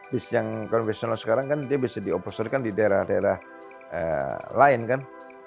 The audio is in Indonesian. bus yang konvensional sekarang kan bisa dioperasikan di daerah daerah lain